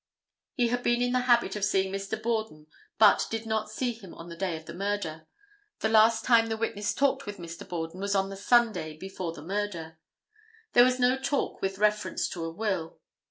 He had been in the habit of seeing Mr. Borden, but did not see him on the day of the murder. The last time the witness talked with Mr. Borden was on the Sunday before the murder. There was no talk with reference to a will.